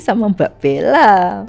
sama mbak bella